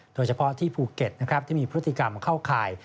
โดยเฉพาะที่ภูเก็ตนะครับที่มีพฤติกรรมเข้าข่าย